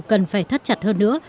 cần phải thắt chặt hơn nữa